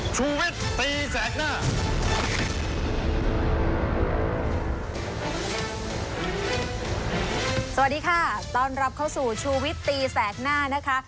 สวัสดีค่ะต้อนรับเข้าสู่ชูวิตตีแสกหน้านะคะ